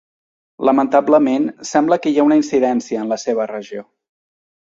Lamentablement sembla que hi ha una incidència en la seva regió.